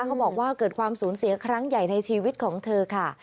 เขาบอกว่าเกิดความสูญเสียครั้งใหญ่ในชีวิตของเธอค่ะ